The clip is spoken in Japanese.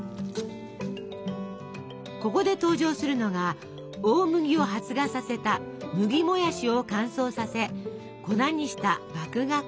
ここで登場するのが大麦を発芽させた「麦もやし」を乾燥させ粉にした麦芽粉。